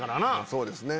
そうですね。